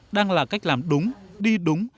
đang là cách làm đúng đi đúng